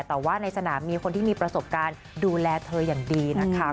แต่ว่าในสนามมีคนที่มีประสบการณ์ดูแลเธออย่างดีนะคะ